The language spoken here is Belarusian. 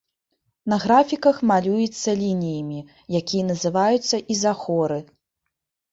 На графіках малюецца лініямі, якія называюцца ізахоры.